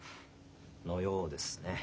のようですね。